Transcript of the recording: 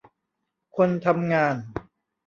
คนทำงาน